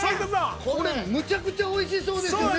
これ、むちゃくちゃおいしそうですよね。